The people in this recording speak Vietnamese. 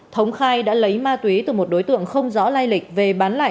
thống khai đã lấy ma túy từ một đối tượng không rõ lai lịch về bán lại